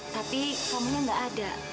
tapi komponen gak ada